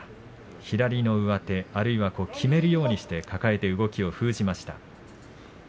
左の上手をきめるようにして抱えて動きを止めました。